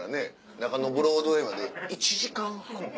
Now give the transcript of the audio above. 中野ブロードウェイまで１時間半って。